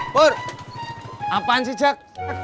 pur apaan sih cek